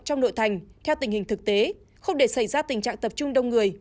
trong nội thành theo tình hình thực tế không để xảy ra tình trạng tập trung đông người